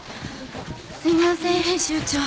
すいません編集長。